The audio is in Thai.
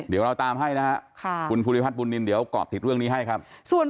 เดี๋ยวเราตามให้นะครับคุณภูริพัฒนบุญนินเดี๋ยวเกาะติดเรื่องนี้ให้ครับ